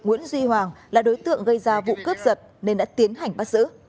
nguyễn duy hoàng là đối tượng gây ra vụ cướp giật nên đã tiến hành bắt giữ